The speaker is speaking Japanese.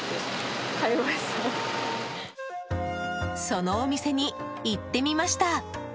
そのお店に行ってみました。